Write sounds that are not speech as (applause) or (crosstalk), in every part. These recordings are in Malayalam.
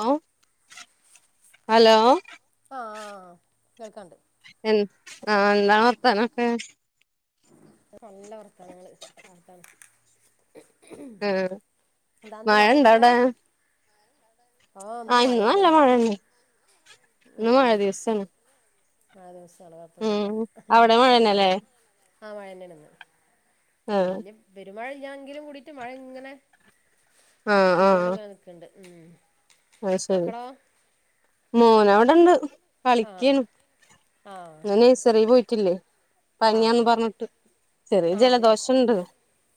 ഹലോ ഹലോ ആഹ് കേൾക്കാണ്ട് എൻ ആഹ് എന്നാ വർത്താനൊക്കെ (unintelligible) നല്ല വർത്താനങ്ങള് റാഹത്താണ് ആ എന്താ ഇന്ന് മഴ ഇണ്ട മഴണ്ടോ അവിടെ ആഹ് ആ ഇന്ന് മഴന്നെ നല്ല മഴേണ് ഇന്ന് മഴ ദിവസേണ് ആ ദിവസം എളവാക്കുന്നില്ല അവിടെ ഇങ്ങനെ മഴന്നല്ലേ ആ മഴന്നെണ്ന്ന് ആ വല്ല്യ പെരുമഴല്ലങ്കിലും കൂടിട്ട് മഴങ്ങനെ ആ പെയ്തോണ്ട്ങ്ങനെ ക്കണ്ട് ഉം അയ് ശരി മക്കളോ മോനവിടെണ്ട് ആഹ് കളിക്കാണ് ആഹ് ഇന്ന് നെയ്ഴസറി പോയിട്ടില്ലേ ആഹ് പനിയാന്ന് ആഹ് പറഞ്ഞി ചെറിയ ആഹ് ജലദോഷണ്ട്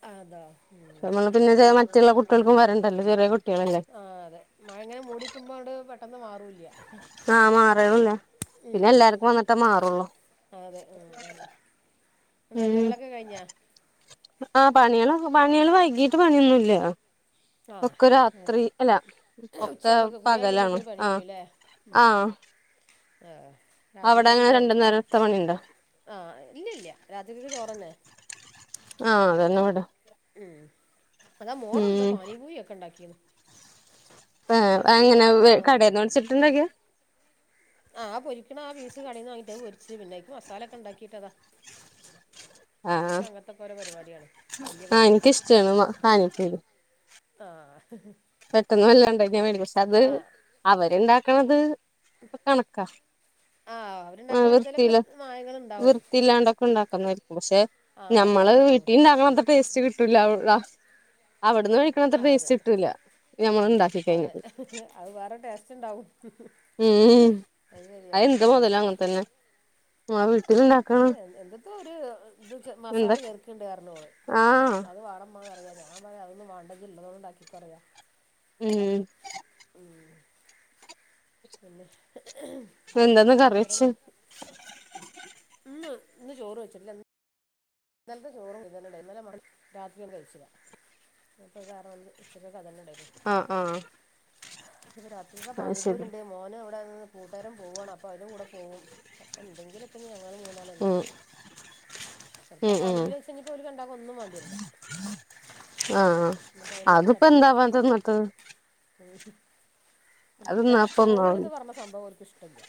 ആഹ് അതോ ഉം പിന്നെ മറ്റുള്ള കുട്ടിൾക്കും വരേണ്ടല്ലോ ചെറിയ കുട്ട്യാളെല്ലെ ആ അതെ മഴങ്ങനെ മൂടിക്കുമ്പോണ്ട് പെട്ടെന്ന് മാറൂല്ല ആ മാറണില്ലേ പിന്നെ ഉം എല്ലാർക്കും വന്നിട്ടേ മാറുള്ളൂ അതെ ഉം എന്ത ഉം ജോലികളൊക്കെ കഴിഞ്ഞാ ആ പണി ള് പണികള് വൈകീട്ട് പണിയൊന്നുംല്ല ആ അതെ ഒക്കെ ഉച്ചാവുമ്പോക്ക് പകലാണ് കുളികയ്യുമ്പോക്ക് പണി ആഹ് കയ്യൂലെ ആഹ് ആഹ അവിടെ രാത്രിക്കൊക്കെ അങ്ങനെ ചോ രണ്ടു നേരത്തെ പണിയുണ്ടോ ആഹ ഇല്ലല്ല രാത്രികക്ക് ചോറന്നെ ആ ഹ അതന്നെ വിടെ ഉം അതാ മോളന്താ ഉം പാനീപൂരിക്കെ ണ്ടാക്കിന്ന് ആ ഏഹ് വൈകുന്നേരം എങ്ങനെ ഞാൻ വല്ലാത കടേന്ന് ന്നുംണ്ടാക്കലില്ല മേടിച്ചിട്ടുണ്ടാക്കിയ ആ പൊരിക്കണ ആ പീസ് കടേന്ന് വാങ്ങിട്ടേ പൊരിച്ച് പിന്നെയ്ക്ക് മസാലക്കെ ഉണ്ടാക്കീട്ടതാ ഓൽക്കങ്ങനത്തൊക്കെ ഓരോ പരിപാടിയാണ് വല്യ ആഹ മോൾക്ക് ഇൻക്ക്ഷ്ടാണ് പാനിപൂരി ആഹ പെട്ടന്ന വല്ലാംണ്ട വേണ്ടി പക്ഷെ അത് അവരുണ്ടാക്കണത് കണക്കാ ആഹ് ആഹ അവരുണ്ടാക്കണ എന്തേലൊക്കെ വൃത്തില്ല മായങ്ങളുണ്ടാവും വൃത്തിയില്ലാണ്ടൊക്കെ ണ്ടാക്കുന്നായിരിക്കും പക്ഷെ ആഹ് അതെ നമ്മള് അതെ ഉം വീട്ടീണ്ടാകണത്തെ ടേസ്റ്റ് കി അവിടുന്ന് കഴിക്കണത്ര ആഹ് അതെ ടേസ്റ്റ് കിട്ടില്ല അതെ നമ്മളുണ്ടാക്കികഴിഞ്ഞാൽ അത് വേറെ ടേസ്റ്റ്ണ്ടാവും അത് ശരിയാണ് അതന്നെ ആഹ് വീട്ടിലുണ്ടാ അത് എന്തിത്തൊഒരു ഇത് മസാല എന്താ ചെറക്കിണ്ട് പറഞ്ഞോള് ആഹ് അത് വാണമ്മാ ന്ന്റിയാം ഞാൻ പറയാ അതൊന്നും വാണ്ട ഇജ് ഉള്ളതുകൊണ്ടാക്കിക്കോ അറിയാ. ഉം ഉം പിന്നെ എന്താന്ന് കറിവെച്ച് വേറെന്ത് ഇന്ന് ഇന്ന് ചോറ് വെച്ചിട്ടില്ല. ഇന്നലത്തെ ചോറും മീനും തന്നെണ്ടായിരുന്നു. രാത്രി കഴിച്ചില്ല ഇപ്പ കാരണം വ ഉച്ചയ്ക്കക്കെ അതന്നെണ്ടായിരുന്നു. ആഹ ആഹ പിന്നെ രാത്രിത്തെ പാനിപൂരുണ്ട്. മോന അവിടെന്ന് കൂട്ടുകാരം പോവയാണ് അപ്പോൾ അതിന്റെ കൂടെ പോകും അപ്പോം എന്തെങ്കിലൊക്കെ ഇ ഞങ്ങൾ മൂന്നാളല്ലേ. ഉം ചിലപ്പോ ഉം ആ ഉം പാനിപൂരി കൈച്ചെങ്കി അവര് രണ്ടാക്കും ഒന്നും വേണ്ടിരില്ല. ആഹ അയിമ്മെ അത്പ്പ എന്തവാനാ തിന്നിട്ട്. ഒരിക്ക് അത് ഒരിക്കിട തിന്നാ അപ്പൊ ഒന്നാവൂല ചോറ്ന്ന് പറഞ്ഞ സംഭവം ഒരിക് ഇഷ്ടല്ല.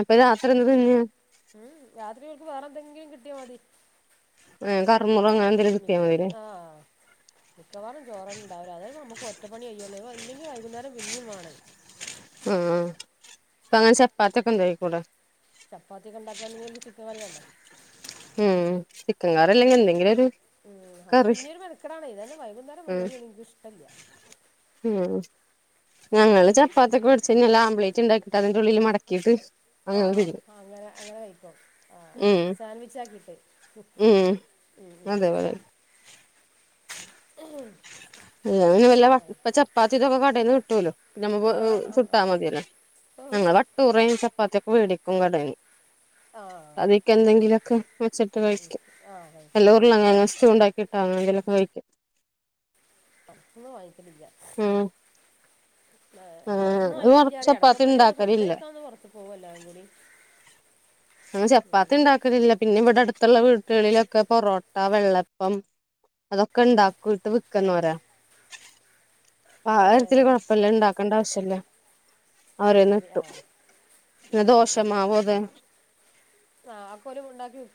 അപ്പൊ രാത്രി എന്ത് തിന്നെയാ. ഉം രാത്രികൾക്ക് വേറെ എന്തെങ്കിലും കിട്ടിയാ മതി. ഏഹ് കറുമുറോ മി ആ അങ്ങനെ (unintelligible) എന്തേലും കിട്ടിയാ മതില്ലേ മിക്കവാറുംചോറുന്നെണ്ടാവല്. അതന്നെ നമുക്ക് ഒറ്റപ്പണി കയ്യോള്ളൂ. അഥവാ ല്ലങ്കിൽ വൈകുന്നേരം പിന്നിം വാണെയ്. ആഹ് പ്പങ്ങനെ ചപ്പാത്യൊക്കെണ്ടാക്കി കൂടെ ചപ്പാത്തി ഒക്കെണ്ടാക്കാണങ്കി അയിക്ക്ചിക്കൻ കറിയാണ്ടേ. ഉം ചിക്കൻകറില്ലെങ്കി എന്തെങ്കിലൊ രു ഉം അപ്പൊ പിന്ന്യുരു മെനക്കടാണേ ഇതന്നെ, വൈകുന്നേരം ഉം ജോലിചെയ്യണ ഇന്ക് ഷ്ടല്ല. ഉം ഞങ്ങള് ചപ്പാത്തി ഒക്കെ വേടിച്ചഴിഞ്ഞാൽ ആംബ്ലേറ്റ് ണ്ടാക്കിട്ട് അതിന്റെ ഉള്ളില് മടക്കിട്ട് ആഹ് അങ്ങനെ അങ്ങനെ കഴിക്കു ആഹ് ഉം സാൻവിച്ചാക്കിട്ട്. കു ഉം ഉം ഉം അതേപോലെ ഓഹ് ഹെ വല്ല ഇപ്പ ചപ്പാത്തി ഇതൊക്കെ കടയിൽന്ന് ഇട്ടല്ലോ. നമ്മ കൊടുന്ന് ചുട്ടാമതിയല്ലേ. ഓ ഞങ്ങ വട്ടൂറയും ചപ്പാത്തിയൊക്കെ വേടിക്കും കടയ്ന്ന്. ആഹ് അതിക്കെന്തെങ്കിലൊക്കെ വെച്ചിട്ട് ഉം ഉം കഴിക്കും ആഹ് അല്ല കഴിക്കും ഉം ഉർളങ്ങെഴങ്ങ് സ്‌റ്റൂ ണ്ടാക്കി ട്ടോ അങ്ങനന്തെലൊക്കെ കഴിക്കും. പൊറ്ത്തുന്ന് വാങ്ങിക്കലില്ല. ഉം പുറത്തുന്ന് ആഹ് വാങ്ങിക്കലില്ലറിയാറ്യ. ചപ്പാത്തി എടക്കെപ്പളേലൊന്ന് ഫുഡ് ഉണ്ടാക്കലില്ല കഴിക്കാന്ന് പൊറത്ത്ക്കോവും എല്ലാരും കൂടി. അങ്ങ ചപ്പാത്തി ണ്ടാക്കലില്ല പിന്നെ ഇവിടെ അടുത്തുള്ള വീട്ടുകളിലൊക്കെ പൊറോട്ട വെള്ള പ്പം അതൊക്കെ ഉണ്ടാക്കിട്ട് ആ വിക്കുന്നവരാ. ആ കാര്യത്തില് ഏഹ് കൊഴപ്പമല്ല, ഇണ്ടാക്കണ്ടാവിശ്യല്ല, അത് അവരേന്ന് ശരി ആ കിട്ടു. ന്ന ദോഷമാവു അതെ ആ ആക്കോല് ഉണ്ടാക്കി വിക്കും.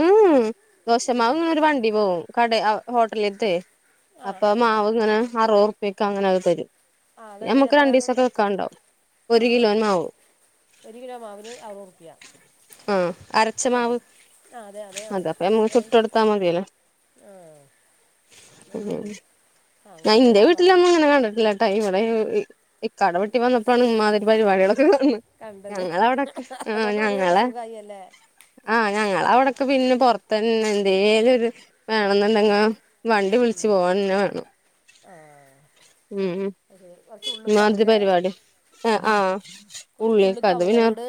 ഉം ഉം ദോശമാവ്ങ്ങനൊരു വണ്ടി പോവും കടെ അഹ് ഹോട്ടലീത്തെയ് ആ അപ്പൊ ആ ആ മാവ്ങ്ങനെ അറുവൊർപ്യക്കങ്ങനെ അഹ് തരും. ആ അതങ്ങനെ ഞമ്മക്ക് എത്ര രണ്ടീസൊക്കെ വെക്കാണ്ടാവും, ആ ഒരു കിലോൻ മാവ് ഒരു കിലോ മാവിന് അറുവൊർപ്യ ആഹ് അരച്ച ആഹ് മാവ് ആ അതെ അതെ ആ അത അപ്പ നമ്മക്ക് മൻസിലായി. ചുട്ടെടുത്താ ആഹ് ഉം ഞാൻ അങ്ങനെ ഇന്റെ ലാഭാണല്ലോ വീട്ടിലങ്ങളങ്ങനെ കണ്ടിട്ടില്ല. ഇവിടെ ഈ ഇക്കാടെ വീട്ടി വന്നപ്പഴാണ് ഇമ്മാതിരി പരിപാടികളൊക്കെ കാണുന്നത്. കണ്ടത് ഞങ്ങളവിടെക്ക് ആഹ് അതുകൊണ്ട് ഒരു ഞങ്ങളെ സുഖായി അല്ലേ ആ് ഞങ്ങളെവിടൊക്കെ പിന്നെ പൊർത്തന്നെ എന്തേലൊരു വേണെന്ന്ന്നെങ്ങേ വണ്ടി വിൾച്ച് പോവന്നെ വേണം ആഹ് ഉം ഉം (unintelligible) കൊർച്ച് ഉള്ളക്കാവുംല്ലേ എ ആഹ് ഉള്ളിൽക്കാത് ഉള്ളിക്കാവൂല്ലേ പിന്നെ വീട്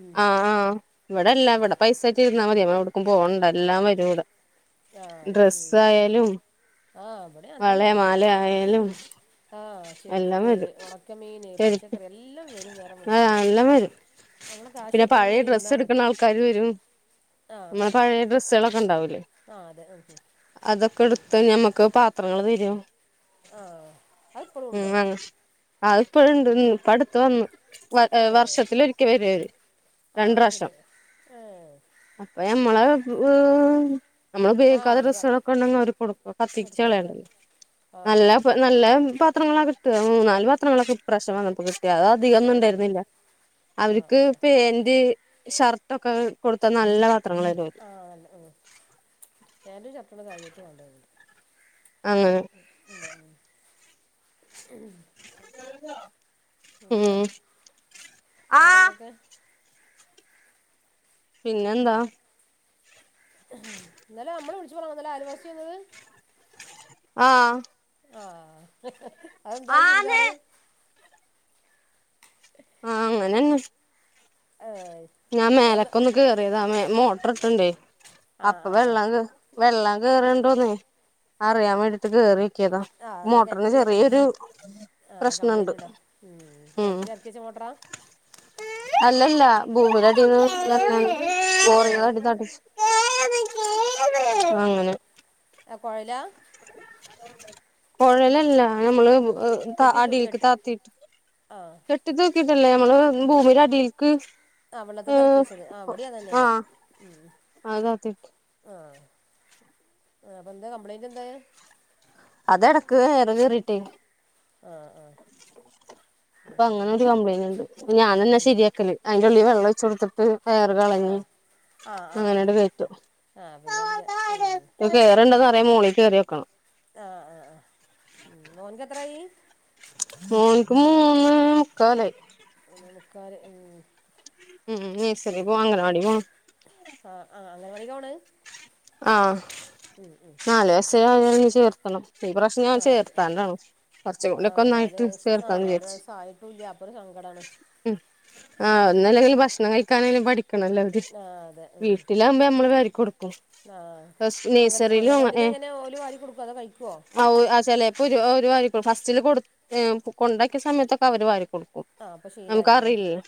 ഉം ആഹ് ആ് ഇവിടെല്ലാ വടെ പൈസയിട്ട് ഇരുന്നാ മതി നമ്മള് എവുടുക്കും പോവണ്ട എല്ലാം വരും ഇവിടെ ആഹ് അതെ ഉം ഡ്രസ്സ് ആയാലും ആഹ് വടിം വള അങ്ങൻതന്നെ മാല എല്ലും ആയാലും ആഹ് എല്ലാം ചെരുപ്പ് വരും ഉണക്കമീന് ചെരുപ്പ് പച്ചക്കറി എല്ലാം വരും നേരം ആഹ് വെളുത്താല് എല്ലാം വരും നമ്മള് പിന്നെ കാശായിട്ട് പഴേ ഇങ്ങനെ ഇരുന്നാ മതി ഡ്രസ്സ്ട്ക്ക്ണാൾക്കാര് വരും, ആഹ് നമ്മളെ ആഹ് പഴേ ഡ്രസ്സളെക്കളെക്കെണ്ടാവൂലേ ആഹ് അതെ ഉം ഹും അതൊക്കെട്ത്ത് ഞമ്മക്ക് പാത്രങ്ങൾ തരും ആഹ് അതിപ്പളും ഉണ്ടോ ഉം അതിപ്പഴും ഉണ്ട്ന്ന് ഇപ്പടുത്ത് വന്ന് വ വർഷത്തിലൊരിക്കെ വരും അത്‌ ആ അയ് ശെരിയാണ് ഏ അപ്പ നമ്മളെ (unintelligible) നമ്മള് ആഹ് ഉപയോഗിക്കാത്ത ഒഴിവാക്കും ഡ്രസ്സ്കളൊക്കെ ഉണ്ടെങ്കി അവര്ക്ക് കൊടുക്കും ഇങ്ങട്ട് കത്തിച്ചു കൊടുത്താൽ കളയണ്ടല്ലോ മതി ആഹ് നല്ല അതന്നെ നല്ല പാത്രങ്ങളാ കിട്ട മൂന്നാല് പത്രങ്ങളൊക്കെ ഈ പ്രാവിശ്യം വന്നപ്പോ കി (unintelligible) അധികം ഒന്നും ഏഹ് ഉണ്ടായിരുന്നില്ല ആഹ് അവർക്ക് ആഹ് പാന്റ് ഷർട്ട് ഒക്കെ കൊടുത്ത നല്ല പാത്രങ്ങളായിരിക്കും കി ആ അങ്ങൻ തന്നെണ് പാന്റും ഷർട്ടും തന്നെ കാര്യായിട്ട് വാണ്ടേ അങ്ങനെ ഉം ഉം കഴിഞ്ഞോ പിന്നെ വേറെന്തൊക്കെ? പിന്നെന്താ ഇന്നലെ നമ്മള് വിളിച്ച് പറഞ്ഞതാ ഇന്നലെ അയൽവാസിയ വന്നത് ആ ആ അതെന്തായി ആന്ന് ചുരിദാറ് ആ അങ്ങനെന്നെ ആയ് ഞാൻ മേലക്കൊന്ന് കേറിയതാ മോട്ടർ ഇട്ടണ്ടെ ആഹ് അപ്പ ആഹ് ആഹ് വെള്ളം കേ വെള്ളം കേറ്ണ്ടോന്ന് അറിയാൻ വേണ്ടിട്ട് കേറി കിയതാ ആഹ് എന്താ മോട്ടറിന് കിണറ്റില് ചെറിയൊരു പ്രശ്നണ്ട് ഉം കെണറ്റിൽ ഇറക്കി വെച്ച മോട്ടറാ അല്ലല്ല ഭൂമിടെ അടീന്ന് കോറീന്ന് ഏഹ് അടിത്തടിച്ച് ഏ എ അങ്ങനെ ആ കൊയലാ കൊഴലല്ല നമ്മള് വ് കെട്ടി തൂ കെട്ടി ആ കെട്ടി തൂകീട്ടല്ലേ നമ്മള് ഭൂമിടെ അടീൽക്ക് ആ വെള്ളത്ത്ക്ക് എറക്കി വെച്ചത് ആ ഇവടിം അ തന്നെയാണ് ഉം ഉം അതാത്തിട്ട് ആ ആ അപ്പൊ എന്താ കംപ്ലൈന്റ് എന്തായി? അതെടക്ക് എയർ കേറീട്ടെ ആ അപ്പൊ അങ്ങനെ ഒരു കംപ്ലൈന്റ് ഉണ്ട് ത് ഞാനന്നെ ഉം ശരിയാക്കല് അതിന്റെ ഉള്ളിൽ വെള്ളം ഒഴിച് കൊടുത്തിട്ട് എയർ കളഞ്ഞി ആഹ് അങ്ങനെണ്ട് കയറ്റും ആ പിന്നെ അണ്ട് കെ ഉം കേറുണ്ടെന്ന് പിസ് അറിയാൻ മോളിൽ കേറി നോക്കണം ആ ആ ആ ഉം മോന്ക് എത്രായി? മോന്ക് മൂന്ന് മുക്കാലായി മൂന്നേ മുക്കാല് ഉം ഉം ഉം നേഴ്സറി പോവാ അങ്ങനവാടി പോവാ. ആ ആ അങ്ങനവാടികാ പോണെ ആ നല് വയസായ അവനെ ഇനി ചേർ (unintelligible) ഈ പ്രവശ്യം ഞാൻ ആ അതെ ചേർത്താണ്ടാണ് കുറച്ച കൂടി ഓക്കെ ഒന്നായിട്ട് ചേർത്താന്ന്ചാരിച്ചു. തുല്ല്യ അപ്പൊരു സങ്കടാണ്. ഉം ആ ഒന്നല്ലെങ്കി ഭക്ഷണം കഴിക്കാനേലും പഠിക്കണല്ലോ തിഷ് ആ അതെ ഉം വീട്ടിൽ. ലാവൂമ്പൊ നമ്മള് വാരി കൊടുക്കും. ആ അങ്ങന നഴ്സറിയിലും അംഗനവാടീന്ന് ഏഹ് എങ്ങനെ ഓല് വാരി കൊടുക്കോ അതോ കഴിക്കോ? ചിലപ്പോ ഒരു അവ ഒരു വരിക്കൊളും ഫസ്റ്റില് കൊടു കൊണ്ടാക്കിയ സമയത്തൊക്കെ അവര് വാരിക്കൊടു ഉം ആ അപ്പൊ നമുക്ക് ശീലായില്ലേ അറിയില്ലല്ലോ.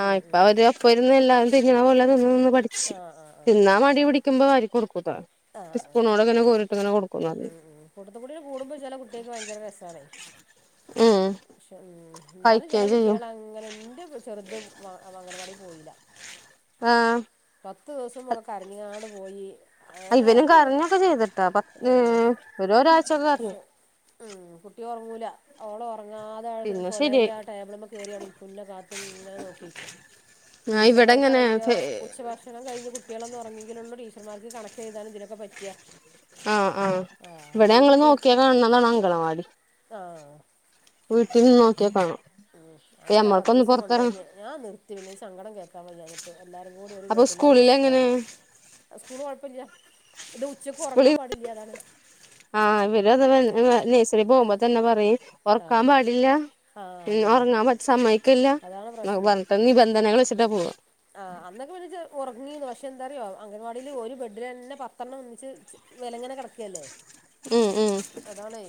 ആഹ് ഉം ഉം ഇപ്പൊ അവര് ഒപ്പ ഇരുന്ന് എല്ലാരും തിന്ന്ണ പോലെ തിന്ന് തിന്ന് പഠിച്ച് ആ ആ ആ തിന്നാ മടി പിടി. വുമ്പോ വാരി കൊടുക്കാ ആ ആ സ്പൂണോടെ ഇങ്ങനെ കോരി ഉം ഉം കൂട്ടത് കൂടേ കൂടുമ്പോ ചെല കുട്ട്യക്ക് ഭയങ്കര രസാണേ. ഉം പക്ഷെ ഉം എന്നാലും ചില കഴിക്കുകയും ചെയ്യും കുട്ടികള് അങ്ങനെ എന്റെ കു ചെർത് അംഗനവാടി പോയില്ല. ആഹ്. പത്ത് ദിവസംക്കെ കരഞ്ഞ്ങ്ങാണ്ട് പോയി. ഏ ഇവനും അത് കരഞ്ഞൊക്കെ ചെയ്തിട്ടാ പ ആ ഒരു ഒരാരാഴ്ചൊക്കെ കരഞ്ഞു. പക്ഷെ ഉം കുട്ടി ഒർങ്ങൂല ഓള് ഒർങ്ങാ അതായത് പിന്നെ കൊലയിലെ ശരിയായി ആ ടേബിൾമ്മ കേറി അവ്ടെ ഇരിക്കും ഇന്നെ കാത്ത് ഇങ്ങനെ നോക്കിക്കും. ഞാൻ ഇവിടെ ഇങ്ങനെ ടീച്ചർമാർക്കാണെങ്കിലോ ഫെ ഉച്ചഭ ഭക്ഷണം കഴഞ് കുട്ടികളൊന്ന എല്ലാംകഴിഞ്ഞ് കുട്ടികൾ ഒന്ന് ഉറങ്ങങ്കിലുള്ളൂ ടീച്ചർമാർക്ക് കണക് ചെയ്താനും ഇതിനോക്കെ ഒന്ന് പറ്റ ആഹ് ആഹ് ഇവിടെ നങ്ങള് നോക്ക്യാകാണ്താണ് അങ്കലവാടി. ആഹ് അതന്നെ നോക്കിയാ കാണാം ഉം അപ്പൊ അങ്ങനെ ന്നെ ഞമ്മൾക്കൊന്ന് പത്തീസം പുറത്തിറങ്ങ കൊണ്ടേക്കി ഞാൻ നിർത്തി പിന്ന സങ്കടം കേൾക്കാൻ വയ്യാഞ്ഞിട്ട് എന്നിട്ട് എല്ലാരും കൂടി ഒരു അപ്പൊ ബേഡിലാ സ്കൂളിൽ കിടക്കാ. എങ്ങനെ സ്കൂൾ കുഴപ്പമില്ല ഇനിറ്റ് ഉച്ചക്ക് ഉറങ്ങാൻ സ്കൂളിൽ പാടില്ല അതാണ്. ആഹ് ഇവര് അത് (unintelligible) നഴ്സറി പോവുമ്പോ തന്നെ പറയും ഉറക്കാൻ ആഹ് പാടില്ല ആഹ് അതന്നെ ഉറങ്ങാൻ പിന്നെ സമ്മക്കില്ല അതാണ് നോക്കെ പ്രശ്നം പറഞ്ഞിട്ട്. നിലവിളിച്ചിട്ടാ പോവ. ആഹ് അന്നൊക്കെ വി ഉറങ്ങിന്ന പക്ഷെ എന്താറിയോ അംഗൻവാടിൽ ഒരു ബെഡ് തന്നെ പത്തെണ്ണം ഒന്നിച്ച്. ഇങ്ങനിങ്ങനെ കിടക്കല്ലേ. ഉം ഉം. അതാണേ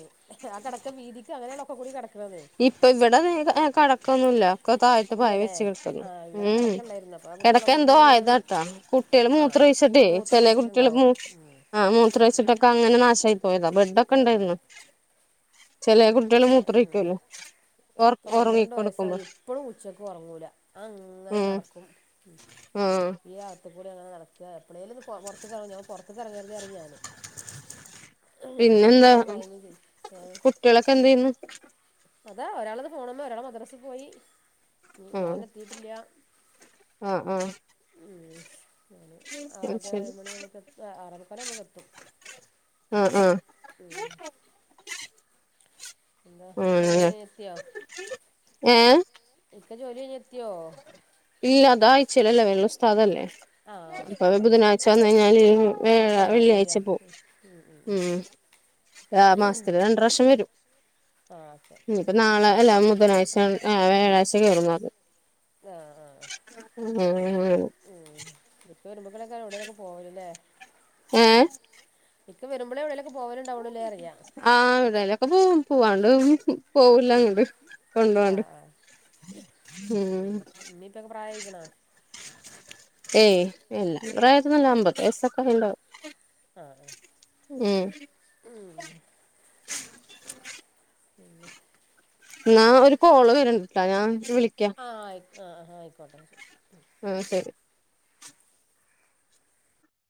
ആ കിടക്കൻ വീതിക്ക് അങ്ങനെയാണ ഒക്കെ കൂടി കിടക്കണത്. ഇപ്പ ഇവിടെ കടക്ക ഒന്നുല്ലാ ഒക്ക താഴത്ത് പായ ഇല്ലല്ലേ വിരിച്ച് കിടക്കുന്നു ആഹ് ഇവിടെ ഉം കിടക്കണ്ടായിരുന്നു അപ്പൊ ആ കിടക്ക കുട്ടികളൊക്കെ എന്തോ കൂടെ ഒരു ആയതാട്ടാ കുട്ടികള് ആഹ് മൂത്രോയിച്ചട്ടെ ചെല കുട്ടികള് മൂത്രൊഴിച്ചിട്ടുണ്ടാവും മൂ ഉം ആ മൂത്രാഴച്ചിട്ട. അങ്ങനെ നാശമായി പോയതാ ബെഡ് ഒക്കെ ആഹ് ഉണ്ടായിരുന്നു ചെലെ കുട്ടികൾ ഉം മൂത്രിക്കല്ലോ. ഇപ്പൊ പന്ത്രണ്ട് വയസ്സായി ഇപ്പഴും ഉച്ചക്ക് ഒറങ്ങൂല അ അങ്ങനെ ഉം നടക്കും. ആഹ് ഈ അകത്ത് കൂടെ അങ്ങനെ നടക്ക എപ്ലളേലുംന്ന് പൊർത്ത് ഇറങ്ങ ഞാൻ പൊർത്ത്ക്കർങ്ങര് തേ പറിം ഞാന്. ഇല്ല ചെലപ്പം പിന്നെന്താ ന്നാ മഴയ്ത തേ ഏഹ് കുട്ടികളൊക്കെ എന്ത് ചെയ്യുന്നു അതാ ഒരാള്താ ഫോണും മ്മേ ഒരാൾ മദ്രസിൽ പോയി ഇനി ആഹ് മോന് എത്തിയിട്ടില്ല. ആഹ് ആഹ്. ഉം. ഞാൻ അത് ആറര ശരി ഏഴു മണിമുക്ക് എ ആറരക്കന്നെ നമുക്ക് എത്തും. ആഹ് ആഹ് ഉം. എന്താ (unintelligible) അങ്ങനെ പെരേല് എത്തിയോ ഏഹ്. ഇക്ക ജോലി കഴിഞ്ഞെത്തിയോ? ഇല്ല അതായ്ച്ചയിലല്ലേ വരു അത് ഉസ്താദല്ലേ. ആ ഉസ്താ ഏഹ് ബുധനാഴ്ച്ച ആ വന്നയ്ഞ്ഞാല് വ്യാഴ ആ ആ വെള്ളിയാഴ്ച്ച ശരിയാ പോവും ഉം. ആഹ് മാസത്തില് രണ്ട് പ്രാവശ്യം വരും. ആ ഓക്കെ ഇനിപ്പോ ഉം നാളെ അല്ല ബുധനാഴ്ച്ച വ്യാഴാഴ്ച്ച കയറുന്ന പറഞ്ഞത്. ആഹ് ആഹ് (unintelligible) ഉം ഇപ്പോ വരുമ്പളൊക്കാരം എവിടേലൊക്കെ പോവല് അല്ലേ. ഏഹ് ഇക്ക വരുമ്പളേ എവിടെലൊക്കെ പോവലുണ്ടാവോള്ളു അല്ലേ പറിയ. ആഹ് എവിടെലൊക്കെ പോവും, പോവാണ്ട് പോവില്ലങ്ങണ്ട് കൊണ്ടു ആ പോവാണ്ട്. ആ ഉം ഉമ്മിം ഉപ്പിം ഒക്കെ പ്രായായിക്കണോ? ഏയ് ഇല്ല അത്ര പ്രായായ്ട്ടൊന്നുല്ല അമ്പത്തെഴ് വയസ്സൊക്കെ ആയിണ്ടാവും. ആഹ് ആഹ് ഉം ഉം പിന്നെ എന്നാ ഒരു കോള് വരണ്ട്ട്ടോ, ഞാൻ വിളിക്കാ. ആഹ് ആയി ആഹ് ആഹ് ആയിക്കോട്ടെ ശരി. ഉം ശരി.